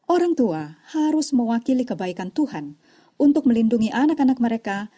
orang tua harus mewakili kebaikan tuhan untuk melindungi anak anak mereka